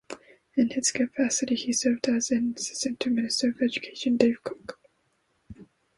In this capacity, he served as an assistant to Minister of Education Dave Cooke.